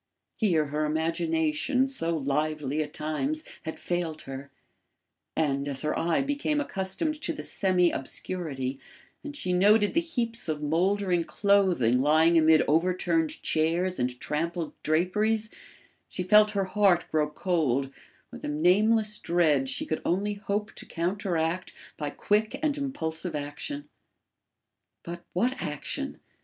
Here her imagination, so lively at times, had failed her; and, as her eye became accustomed to the semi obscurity, and she noted the heaps of mouldering clothing lying amid overturned chairs and trampled draperies, she felt her heart grow cold with a nameless dread she could only hope to counteract by quick and impulsive action. But what action?